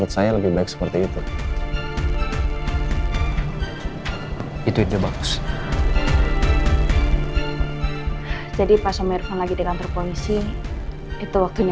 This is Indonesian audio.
sampai jumpa di video selanjutnya